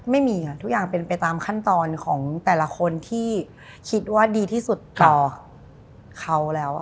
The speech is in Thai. ไม่มีค่ะทุกอย่างเป็นไปตามขั้นตอนของแต่ละคนที่คิดว่าดีที่สุดต่อเขาแล้ว